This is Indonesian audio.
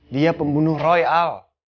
dia pembunuh roy al